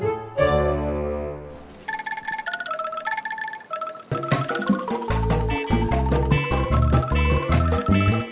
gimana kalau duitnya keluar gini